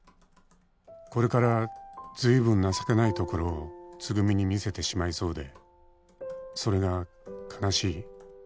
「これからずいぶん情けないところをつぐみに見せてしまいそうでそれが悲しい」